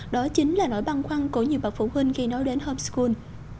đó chính là nỗi băng khoăn của nhiều bà phụ huynh khi nói đến homeschool